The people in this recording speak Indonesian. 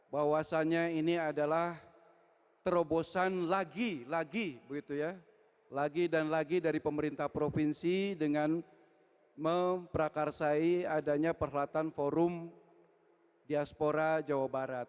bahwasannya ini adalah terobosan lagi lagi begitu ya lagi dan lagi dari pemerintah provinsi dengan memprakarsai adanya perhelatan forum diaspora jawa barat